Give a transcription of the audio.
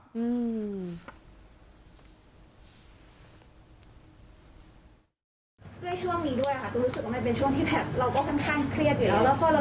ช่วงนี้ด้วยเป็นช่วงที่แบบเราก็ค่อนเครียดอยู่แล้วพอเรา